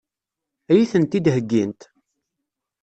Ad iyi-tent-id-heggint?